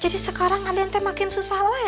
jadi sekarang aden makin susah